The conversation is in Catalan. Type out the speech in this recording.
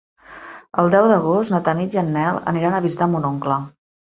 El deu d'agost na Tanit i en Nel aniran a visitar mon oncle.